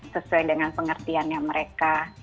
sesuai dengan pengertiannya mereka